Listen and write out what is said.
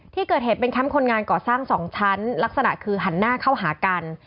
ที่เกิดเหตุเป็นแคมป์คนงานก่อสร้าง๒ชั้นลักษณะคือหันหน้าเข้าหากัน